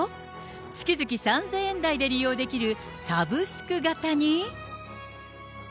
月々３０００円台で利用できるサブスク型に。